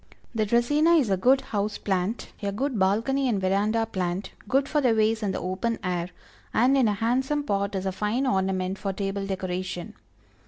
The Dracæna is a good house plant, a good balcony and veranda plant, good for the vase in the open air, and in a handsome pot is a fine ornament for table decoration.